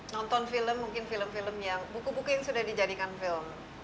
nonton film mungkin film film yang buku buku yang sudah dijadikan film